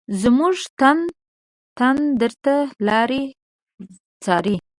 زمونږ تن تن درته لاري څاري